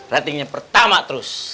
ratingnya pertama terus